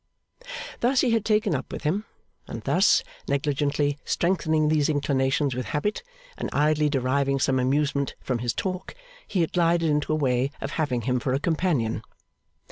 Thus he had taken up with him; and thus, negligently strengthening these inclinations with habit, and idly deriving some amusement from his talk, he had glided into a way of having him for a companion.